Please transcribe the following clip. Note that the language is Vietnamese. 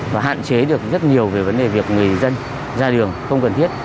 và hạn chế được rất nhiều về vấn đề việc người dân ra đường không cần thiết